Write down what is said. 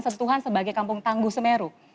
sesuatu tuhan sebagai kampung tangguh semeru